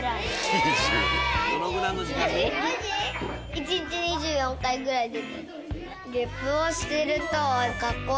１日２４回ぐらい出てる。